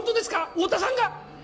太田さんが！？